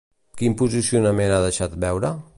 Quin posicionament ha deixat veure?